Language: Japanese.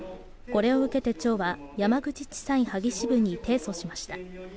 これを受けて町は山口地裁萩支部に提訴しました。